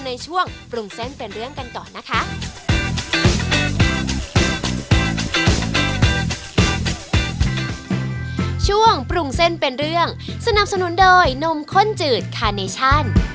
ในช่วงปรุงเส้นเป็นเรื่องกันก่อนนะคะ